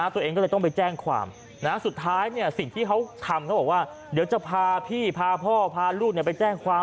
ตัวเองก็เลยต้องไปแจ้งความสุดท้ายสิ่งที่เขาทำเขาบอกว่าเดี๋ยวจะพาพี่พาพ่อพาลูกไปแจ้งความ